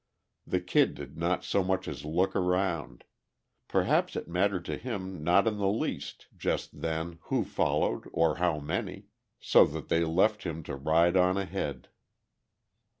The Kid did not so much as look around; perhaps it mattered to him not in the least just then who followed or how many ... so that they left him to ride on ahead....